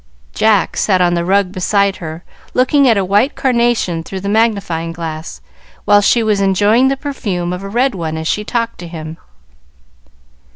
Jack sat on the rug beside her, looking at a white carnation through the magnifying glass, while she was enjoying the perfume of a red one as she talked to him.